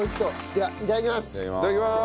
ではいただきます。